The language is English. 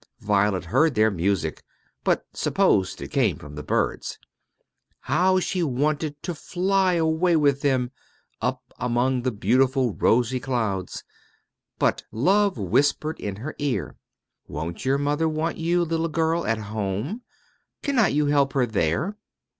Violet heard their music, but supposed it came from the birds. How she wanted to fly away with them, up among the beautiful rosy clouds! but Love whispered in her ear, "Won't your mother want you, little girl, at home? Cannot you help her there?"